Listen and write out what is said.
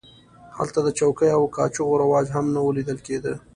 هلته د چوکیو او کاچوغو رواج هم نه و لیدل کېده.